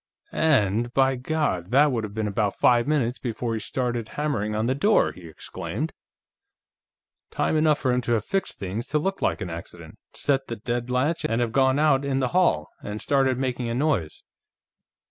"And, by God, that would have been about five minutes before he started hammering on the door!" he exclaimed. "Time enough for him to have fixed things to look like an accident, set the deadlatch, and have gone out in the hall, and started making a noise.